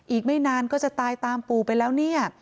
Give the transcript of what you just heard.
อีกไม่นานก็จะตายตามปู่ไปแล้วเนี่ย